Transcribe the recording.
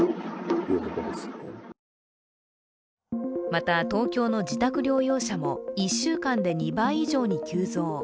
また、東京の自宅療養者も１週間で２倍以上に急増。